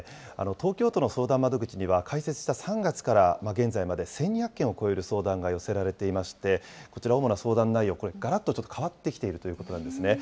東京都の相談窓口には、開設した３月から現在まで１２００件を超える相談が寄せられていまして、こちら、主な相談内容、これ、がらっと変わってきているということなんですね。